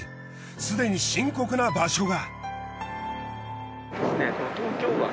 すでに深刻な場所が。